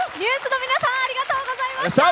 ＮＥＷＳの皆さんありがとうございました。